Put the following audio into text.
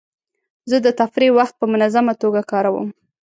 زه د تفریح وخت په منظمه توګه کاروم.